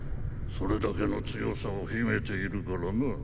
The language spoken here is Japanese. それだけの強さを秘めているからな。